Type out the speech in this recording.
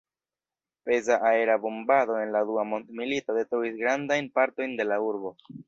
Peza aera bombado en la dua mondmilito detruis grandajn partojn de la urbo.